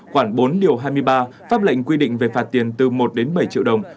khoảng bốn điều hai mươi ba pháp lệnh quy định về phạt tiền từ một đến bảy triệu đồng